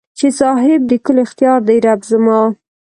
چې صاحب د کل اختیار دې رب زما